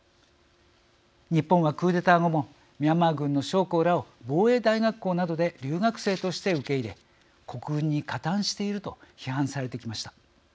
日本はクーデター後もミャンマー軍の将校らを防衛大学校などで留学生として受け入れ国軍に加担していると批判されてきました。